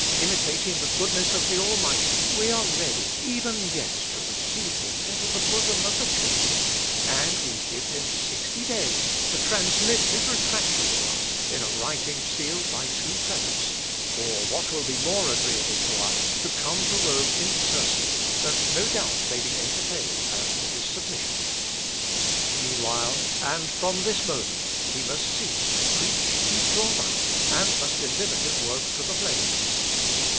Imitating the goodness of the Almighty, we are ready, even yet, to receive him into the bosom of the Church, and we give him sixty days to transmit his retractation to us in a writing sealed by two prelates; or, what will be more agreeable to us, to come to Rome in person, that no doubt may be entertained as to his submission. Meanwhile, and from this moment, he must cease to preach, teach, or write, and must deliver his works to the flames.